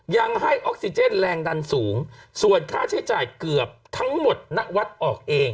ยังให้ออกซิเจนแรงดันสูงส่วนค่าใช้จ่ายเกือบทั้งหมดณวัดออกเอง